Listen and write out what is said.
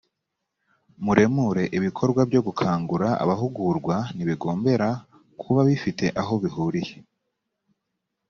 muremure ibikorwa byo gukangura abahugurwa ntibigombera kuba bifite aho bihuriye